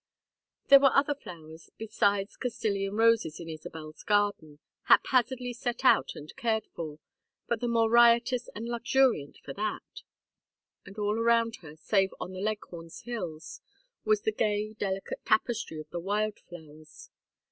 There were other flowers besides Castilian roses in Isabel's garden, haphazardly set out and cared for, but the more riotous and luxuriant for that. And all around her, save on the Leghorns' hills, was the gay delicate tapestry of the wild flowers.